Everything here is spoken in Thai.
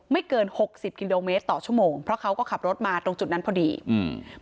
เกินหกสิบกิโลเมตรต่อชั่วโมงเพราะเขาก็ขับรถมาตรงจุดนั้นพอดีอืม